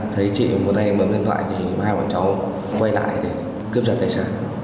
thấy chị một tay bấm điện thoại thì hai bọn cháu quay lại thì cướp trả tài sản